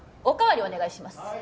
お代わりお願いします